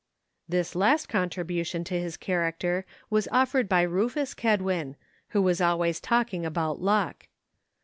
This last contribution to his char acter was offered by Rufus Kedwin, who was always talking about luck.